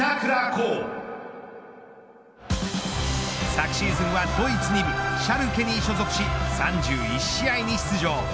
昨シーズンはドイツ２部シャルケに所属し３１試合に出場。